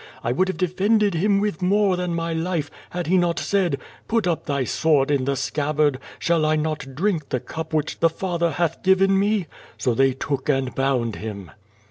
I would have defended him with more than my life, had he not said: 'Put up thy sword in the scabbard; shall I not drink the cup wliich the Father hath given me?' So they took and bound Him."